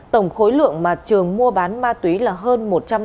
tổng khối lượng mà trường mua bán ma túy là hơn